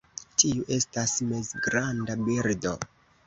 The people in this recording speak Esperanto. Tiu estas mezgranda birdo.